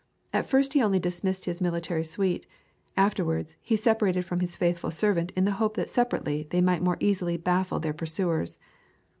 At first he only dismissed his military suite; afterwards he separated from his faithful servant in the hope that separately they might more easily baffle their pursuers.